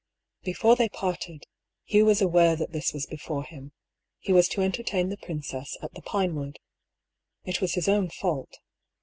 Before they parted, Hugh was aware that this was before him: he was to entertain the princess at the Pinewood. It was his own fault.